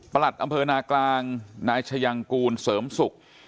ประหลัดอำเภอหน้ากลางนายชายังกูลเสริมศุกร์